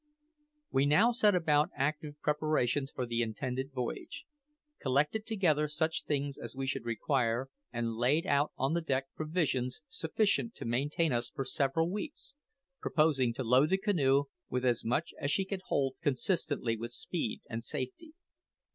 We now set about active preparations for the intended voyage: collected together such things as we should require, and laid out on the deck provisions sufficient to maintain us for several weeks, purposing to load the canoe with as much as she could hold consistently with speed and safety.